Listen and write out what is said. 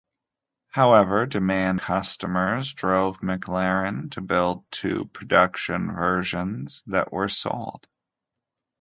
However, demand from customers drove McLaren to build two production versions that were sold.